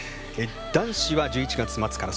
男子は１１月末から。